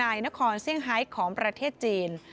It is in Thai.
นายนโคนเซียงไฮค์ของประเทศจีน